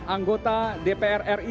anggota dpr ri